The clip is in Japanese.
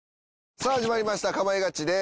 さあ始まりました『かまいガチ』です。